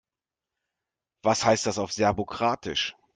Was heißt das auf Serbokroatisch?